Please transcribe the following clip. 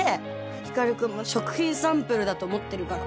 光くんも食品サンプルだと思ってるから。